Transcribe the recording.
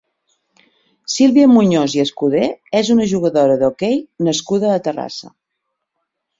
Sílvia Muñoz i Escudé és una jugadora d'hoquei nascuda a Terrassa.